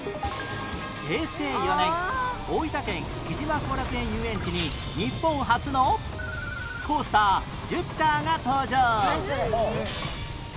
平成４年大分県城島後楽園ゆうえんちに日本初のコースタージュピターが登場